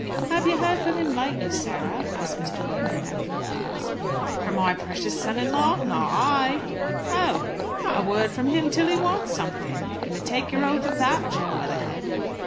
"Have you heard from him lately, Sarah?" asked Mr. Weatherhead, after a pause. "From my precious son in law? Not I!" "Oh!" "Not a word from him till he wants something. You may take your oath of that, Jo Weatherhead."